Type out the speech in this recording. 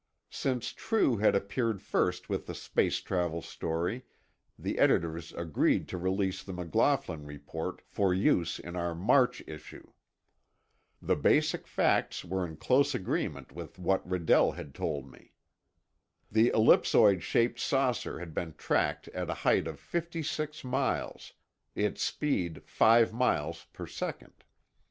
Since True had appeared first with the space travel story, the editors agreed to release the McLaughlin report for use in our March issue. The basic facts were in close agreement with what Redell had told me. The ellipsoid shaped saucer had been tracked at a height of 56 miles, its speed 5 miles per second.